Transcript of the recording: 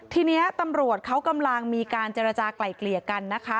ทีนี้ตำรวจเขากำลังมีการเจรจากลายเกลี่ยกันนะคะ